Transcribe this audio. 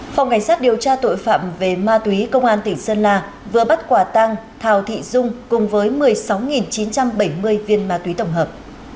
phòng cảnh sát điều tra tội phạm về ma túy công an tỉnh sơn la vừa bắt quả tăng thào thị dung cùng với một mươi sáu chín trăm bảy mươi viên ma túy tổng hợp